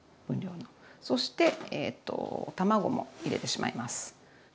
そして卵も入れてしまいます。